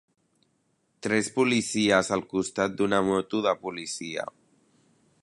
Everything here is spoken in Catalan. Tres policies al costat d'una moto de policia